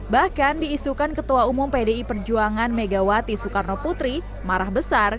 bahkan diisukan ketua umum pdi perjuangan megawati soekarno putri marah besar